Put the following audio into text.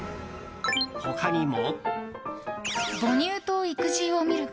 他にも。